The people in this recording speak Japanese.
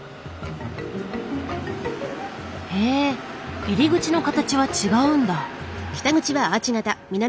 へえ入り口の形は違うんだ。